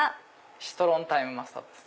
シトロン・タイムマスタードです。